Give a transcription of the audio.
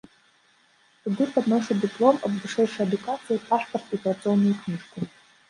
Туды падношу дыплом аб вышэйшай адукацыі, пашпарт і працоўную кніжку.